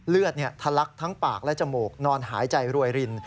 เลือดทะลักทั้งปากและจมูกนอนหายใจรวยริน